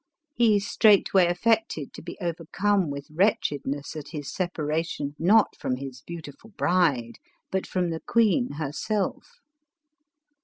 He straightway affected to be over come with wretchedness at his separation, not from his beautiful bride, but from the queen herself.